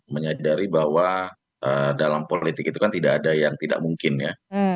menyadari bahwa dalam politik itu kan tidak ada yang tidak mungkin ya